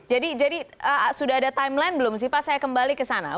jadi sudah ada timeline belum sih pak saya kembali ke sana